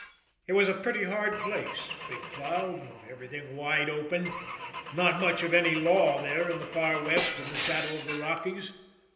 It was a pretty hard place, Big Cloud everything wide open not much of any law there in the far West in the shadow of the Rockies.